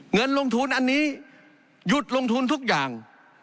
เงินลงทุนอันนี้หยุดลงทุนทุกอย่าง